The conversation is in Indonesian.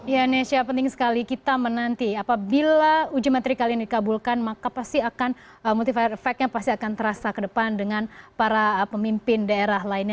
ya nesha penting sekali kita menanti apabila uji materi kali ini dikabulkan maka pasti akan multier efeknya pasti akan terasa ke depan dengan para pemimpin daerah lainnya